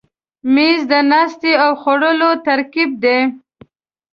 مېز د ناستې او خوړلو ترکیب دی.